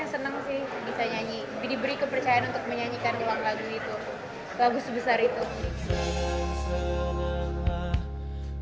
saya senang sih bisa nyanyi diberi kepercayaan untuk menyanyikan uang lagu itu bagus besar itu